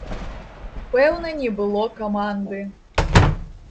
Пэўна, не было каманды.